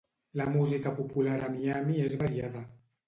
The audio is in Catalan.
La música popular a Miami és variada.